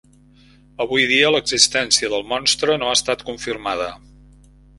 Avui dia, l'existència del monstre no ha estat confirmada.